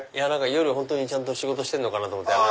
夜本当にちゃんと仕事してんのかなと思って。